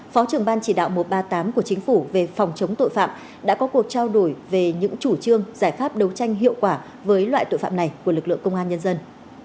phó trưởng ban chỉ đạo một trăm ba mươi tám của chính phủ về phòng chống tội phạm đã có cuộc trao đổi về những chủ trương giải pháp đấu tranh hiệu quả với loại tội phạm này của lực lượng công an nhân dân